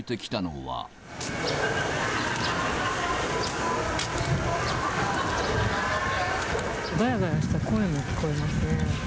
がやがやした声も聞こえますね。